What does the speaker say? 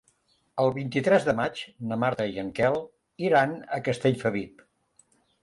El vint-i-tres de maig na Marta i en Quel iran a Castellfabib.